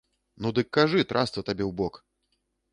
Ну дык кажы, трасца табе ў бок!